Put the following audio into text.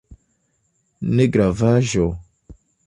Ne gravaĵo?